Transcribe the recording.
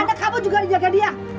anak kamu juga dijaga dia